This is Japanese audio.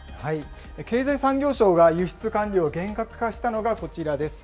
経済産業省が輸出管理を厳格化したのがこちらです。